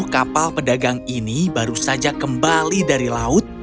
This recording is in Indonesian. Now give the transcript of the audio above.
sepuluh kapal pedagang ini baru saja kembali dari laut